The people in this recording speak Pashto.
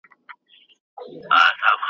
ګوندي خدای مو سي پر مېنه مهربانه ,